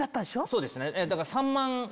そうですね。